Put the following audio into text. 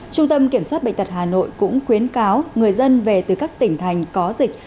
trung tâm kiểm soát bệnh tật hà nội cũng khuyến cáo người dân về từ các tỉnh thành có dịch